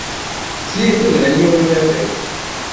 Tlid tugna n yiwen n unafag.